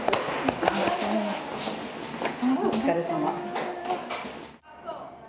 お疲れさま。